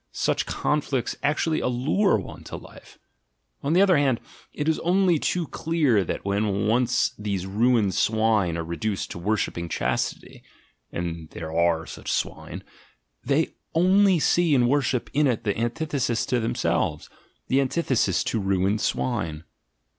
Such "conflicts" actually allure one to life. On the other hand, it is only too clear that when once these ruined swine are reduced to worshipping chastity — and there are such swine — they only see and worship in it the antithesis to themselves, the antithesis to ruined swine.